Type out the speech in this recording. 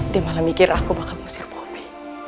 dia malah mikir aku bakal ngusir bobby